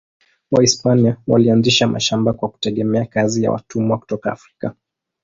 Wahispania walianzisha mashamba kwa kutegemea kazi ya watumwa kutoka Afrika.